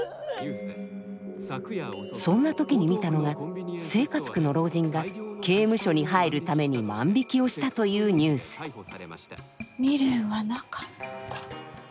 そんな時に見たのが生活苦の老人が刑務所に入るために万引きをしたというニュース未練はなかった。